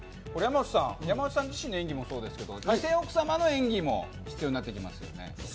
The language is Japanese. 山内さん自身の演技もそうですけど偽奥様の演技も必要になってきますよね。